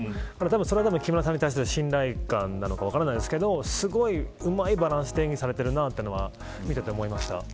それは木村さんに対する信頼感なのか分からないですけどすごいうまいバランスで演技されているなと見ていて思いました。